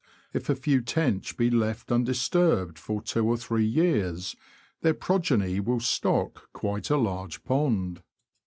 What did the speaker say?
If a few tench be left undisturbed for two or three years, their progeny will stock quite a large pond.